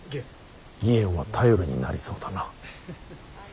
義円は頼りになりそうだな。